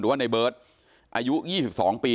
ว่าในเบิร์ตอายุ๒๒ปี